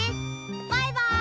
バイバイ！